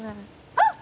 あっ！